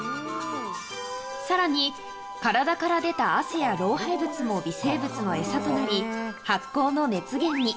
さらに、体から出た汗や老廃物も微生物の餌となり、発酵の熱源に。